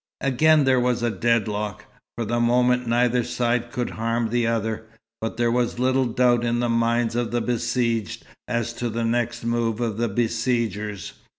Again there was a deadlock. For the moment neither side could harm the other: but there was little doubt in the minds of the besieged as to the next move of the besiegers.